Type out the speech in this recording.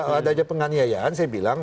kalau ada aja penganiayaan saya bilang